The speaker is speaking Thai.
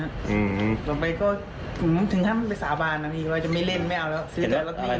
อืมถึงท่านมันไปสาบานนะพี่ก็จะไม่เล่นไม่เอาแล้ว